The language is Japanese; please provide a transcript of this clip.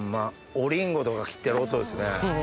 おリンゴとか切ってる音ですね。